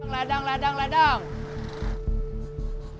ledang ledang ledang